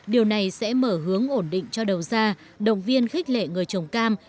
điều này sẽ mở hướng ổn định cho đầu ra động viên khích lệ người trồng cam